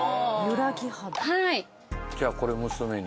じゃあこれ娘に。